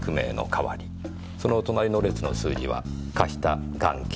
その隣の列の数字は貸した元金。